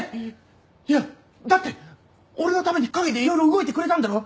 いやだって俺のために陰でいろいろ動いてくれたんだろ？